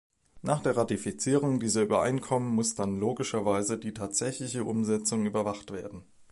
Nach der Ratifizierung dieser Übereinkommen muss dann logischerweise die tatsächliche Umsetzung überwacht werden.